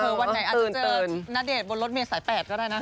เผลอวันไหนอาจจะเจอนาเดชน์บนรถเมศสายแปดก็ได้นะ